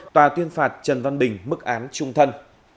tòa tuyên phạt trần văn bình bức án chung thân